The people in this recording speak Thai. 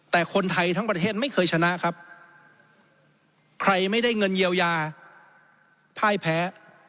แต่คนไทยทั้งประเทศไม่เคยชนะครับใครไม่ได้เงินเยียวยาพ่ายแพ้